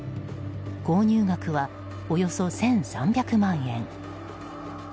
購入額はおよそ１３００万円。